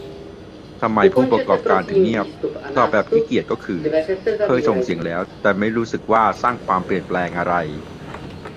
ทำไม "ผู้ประกอบการ" ถึงเงียบ ตอบแบบขี้เกียจก็คือ เคยส่งเสียงแล้วไม่รู้สึกว่าสร้างความเปลี่ยนแปลงอะไร